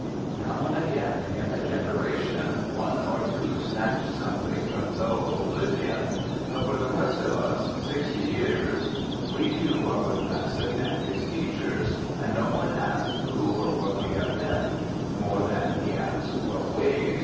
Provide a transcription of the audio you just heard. Now and again in a generation, one or two snatch something from dull oblivion ; but for the rest of us, sixty years— we, too, are with Bassett and his teachers, and No one asks Who or what we have been, More than he asks what waves.